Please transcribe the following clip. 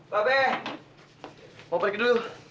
pak be mau pergi dulu